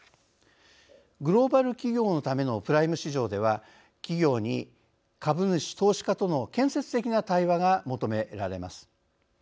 グローバル企業のためのプライム市場では企業に株主・投資家との建設的な対話が求められます。